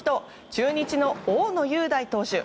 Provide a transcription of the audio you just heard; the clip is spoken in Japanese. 中日の大野雄大投手。